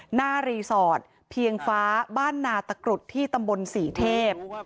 หน้ารีสอร์ทเพียงฟ้าบ้านนาตะกรุดที่ตำบลศรีเทพ